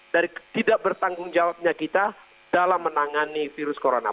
dari tidak bertanggung jawabnya kita dalam menangani virus corona